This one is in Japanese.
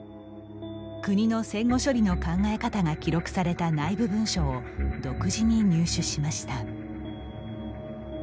国の戦後処理の考え方が記録された内部文書を独自に入手しました。